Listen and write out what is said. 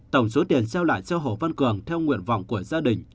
tổng số tiền gieo lại cho hồ văn cường theo nguyện vọng của gia đình